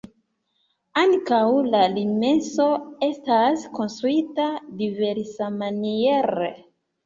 Ankaŭ la limeso estas konstruita diversmaniere.